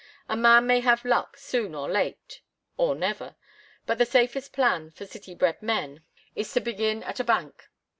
A man may have luck soon or late or never, but the safest plan for city bred men is to begin at a bank.